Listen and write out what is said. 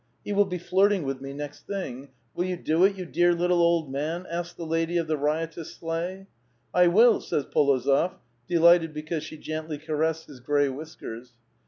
He will be flirting with me next thing. Will you do it, you dear little old man?" asks the lady of the riotous sleigh. " I will," says P61ozof, delighted because she gentl}' caressed bis gray whiskers.